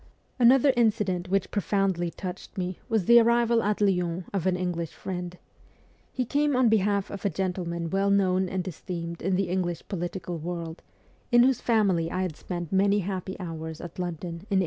Another incident which profoundly touched me was the arrival at Lyons of an English friend. He came on behalf of a gentleman well known and esteemed in the English political world, in whose family I had spent many happy hours at London in 1882.